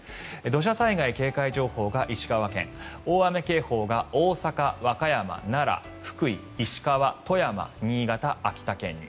土砂災害警戒情報が石川県大雨警報が大阪、和歌山、奈良、福井石川、富山、新潟、秋田県に。